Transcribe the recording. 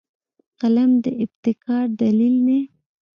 قلم د ابتکار دلیل دی